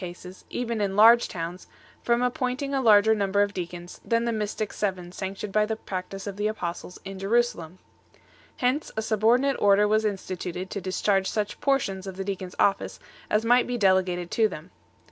131 cases, even in large towns, from appointing a larger num ber of deacons than the mystic seven sanctioned by the practice of the Apostles in Jerusalem 1 . Hence a subordi nate order was instituted to discharge such portions of the Deacons office as might be delegated to them.